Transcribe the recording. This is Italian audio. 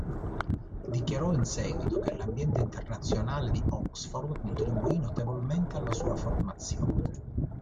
Dichiarò in seguito che l'ambiente internazionale di Oxford contribuì notevolmente alla sua formazione.